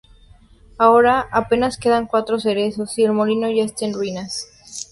Ahora, apenas quedan cuatro cerezos y el molino ya está en ruinas.